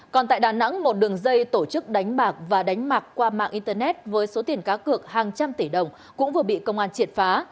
còn tại đà nẵng một đường dây tổ chức đánh bạc và đánh bạc qua mạng internet với số tiền cá cược hàng trăm tỷ đồng cũng vừa bị công an triệt phá